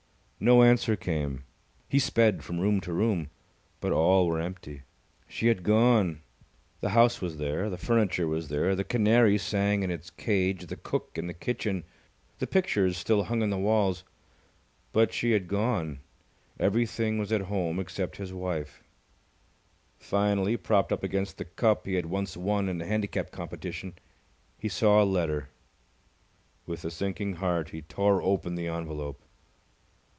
No answer came. He sped from room to room, but all were empty. She had gone. The house was there. The furniture was there. The canary sang in its cage, the cook in the kitchen. The pictures still hung on the walls. But she had gone. Everything was at home except his wife. Finally, propped up against the cup he had once won in a handicap competition, he saw a letter. With a sinking heart he tore open the envelope.